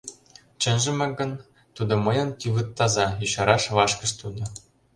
Чынжымак гын, тудо мыйын тӱвыт таза, — ешараш вашкыш тудо.